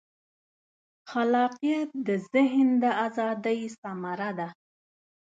خلاقیت د ذهن د ازادۍ ثمره ده.